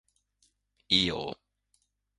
いいよー